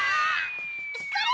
それ！